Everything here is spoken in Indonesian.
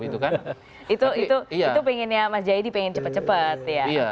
itu pengennya mas jai di pengen cepat cepat